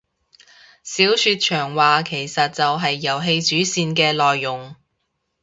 小說長話其實就係遊戲主線嘅內容